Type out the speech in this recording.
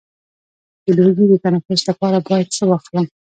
د لوګي د تنفس لپاره باید څه واخلم؟